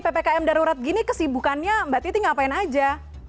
ppkm darurat gini kesibukannya mbak titi ngapain aja